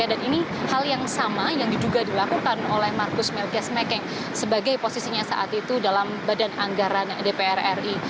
dan ini hal yang sama yang diduga dilakukan oleh markus melchias mekeng sebagai posisinya saat itu dalam badan anggaran dpr ri